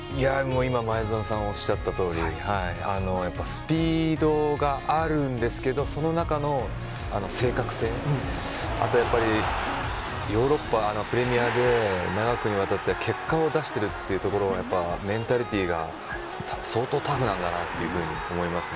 今、前園さんがおっしゃったとおりスピードがあるんですがその中の正確性あとはヨーロッパのプレミアで長きにわたって結果を出しているところがメンタリティーが相当タフなんだなと思います。